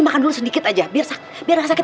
kurang kalau kursi dia di